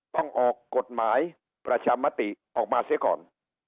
ต้องออกกฎหมายประชามติออกมาเสียก่อน